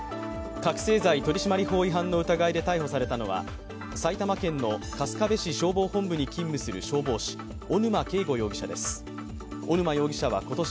覚醒剤取締法違反の疑いで逮捕されたのは埼玉県の春日部市消防本部に勤務する消防士小沼慶悟容疑者です。